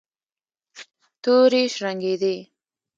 تورې شرنګېدې.